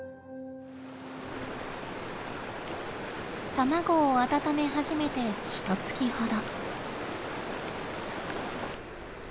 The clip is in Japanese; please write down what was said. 卵を温め始めてひとつきほど。